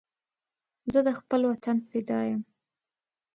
زه د خپل وطن فدا یم